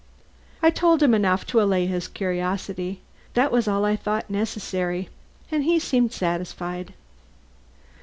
I told him enough to allay his curiosity. That was all I thought necessary, and he seemed satisfied.